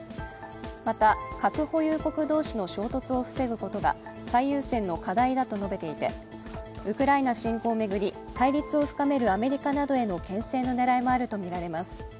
また、核保有国同士の衝突を防ぐことが最優先の課題だと述べていてウクライナ侵攻を巡り対立を深めるアメリカなどへのけん制の狙いもあるとみられます。